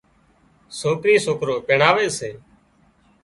سوڪري سوڪرو پينڻاول سي